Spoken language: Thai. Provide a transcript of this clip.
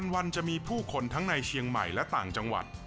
วันจะมีผู้คนทั้งในเชียงใหม่และต่างจังหวัด